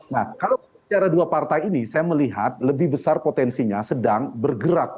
nah kalau bicara dua partai ini saya melihat lebih besar potensinya sedang bergerak